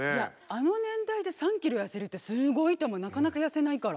あの年代で３キロ痩せるってすごいと思うなかなか痩せないから。